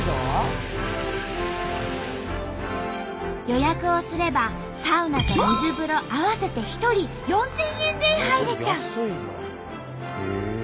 予約をすればサウナと水風呂合わせて１人４，０００円で入れちゃう。